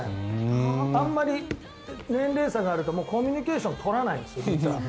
あんまり年齢差があるとコミュニケーション取らないんです。